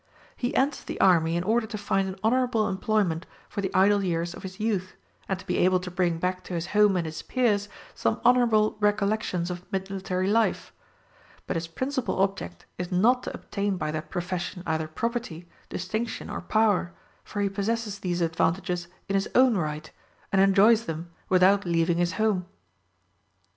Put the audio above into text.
He enters the army in order to find an honorable employment for the idle years of his youth, and to be able to bring back to his home and his peers some honorable recollections of military life; but his principal object is not to obtain by that profession either property, distinction, or power, for he possesses these advantages in his own right, and enjoys them without leaving his home.